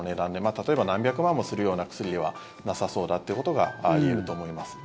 例えば何百万もするような薬ではなさそうだということが言えると思います。